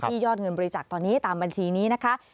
ยอดเงินบริจาคตอนนี้ตามบัญชีนี้นะคะ